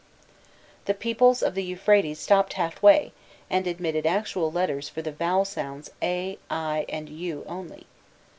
The peoples of the Euphrates stopped halfway, and admitted actual letters for the vowel sounds a, i, and u only.